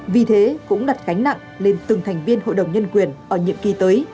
vì thế cũng đặt gánh nặng lên từng thành viên hội đồng nhân quyền ở nhiệm kỳ tới